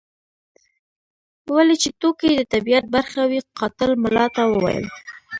ولو چې ټوکې یې د طبیعت برخه وې قاتل ملا ته وویل.